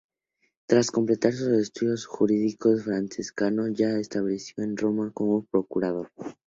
Tras completar sus estudios jurídicos, Francesco se estableció en Roma como procurador.